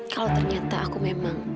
kalau ternyata aku memang